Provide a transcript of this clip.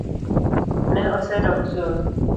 Ne osedok chon